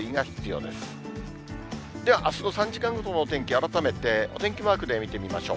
では、あすの３時間ごとのお天気、改めてお天気マークで見てみましょう。